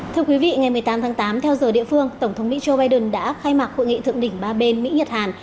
thưa quý vị ngày một mươi tám tháng tám theo giờ địa phương tổng thống mỹ joe biden đã khai mạc hội nghị thượng đỉnh ba bên mỹ nhật hàn